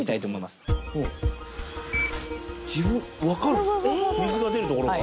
自分分かる水が出るところが？